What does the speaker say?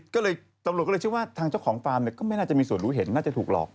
ก็เลยตำรวจก็เลยเชื่อว่าทางเจ้าของฟาร์มก็ไม่น่าจะมีส่วนรู้เห็นน่าจะถูกหลอก